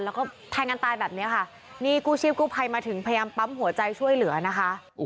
แล้วก็แทงกันตายแบบนี้ค่ะนี่กู้ชีพกู้ภัยมาถึงพยายามปั๊มหัวใจช่วยเหลือนะคะ